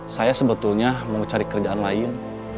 saya sebetulnya mau cari kerjaan lain